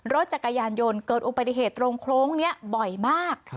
รถจักรยานยนต์เกิดอุบัติเหตุตรงโครงนี้บ่อยมาก